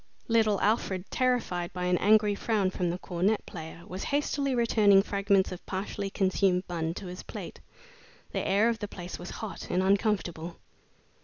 Little Alfred, terrified by an angry frown from the cornet player, was hastily returning fragments of partially consumed bun to his plate. The air of the place was hot and uncomfortable.